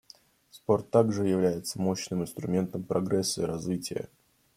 Спорт также является мощным инструментом прогресса и развития.